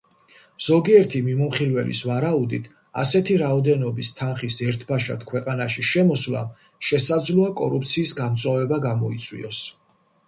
ზოგიერთი მიმომხილველის ვარაუდით ასეთი რაოდენობის თანხის ერთბაშად ქვეყანაში შემოსვლამ შესაძლოა კორუფციის გამწვავება გამოიწვიოს.